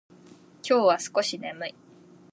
今日は少し眠い。